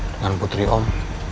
dengan putri om